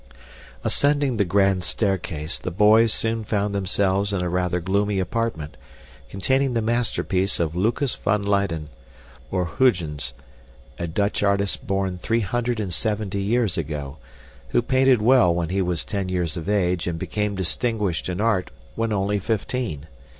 Ascending the grand staircase, the boys soon found themselves in a rather gloomy apartment, containing the masterpiece of Lucas van Leyden, or Hugens, a Dutch artist born three hundred and seventy years ago, who painted well when he was ten years of age and became distinguished in art when only fifteen.